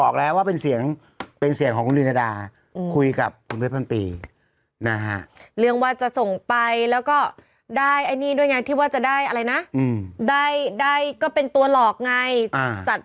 เขายังไม่ได้ระบุว่าเป็นใคร